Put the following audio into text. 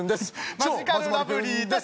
マヂカルラブリーです。